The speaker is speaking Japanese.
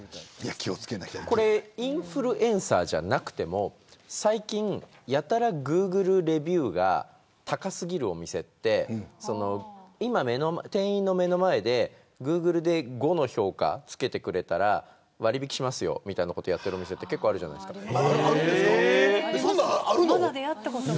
これインフルエンサーじゃなくても最近、やたらグーグルレビューが高過ぎるお店って今、店員の目の前でグーグルで５の評価をつけてくれたら割引しますよ、みたいなことをやってるお店ってそんなんあるの。